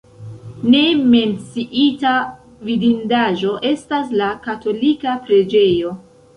Ne menciita vidindaĵo estas la katolika preĝejo.